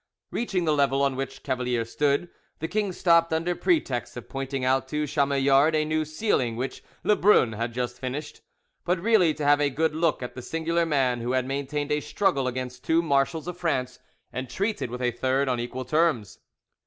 Reaching the level on which Cavalier stood, the king stopped under pretext of pointing out to Chamillard a new ceiling which Le Brun had just finished, but really to have a good look at the singular man who had maintained a struggle against two marshals of France and treated with a third on equal terms.